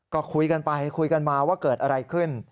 ก็คุยกันไปคุยกันมาว่าเกิดอะไรขึ้น